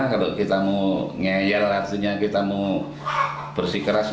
kalau kita mau ngeyel artinya kita mau bersih keras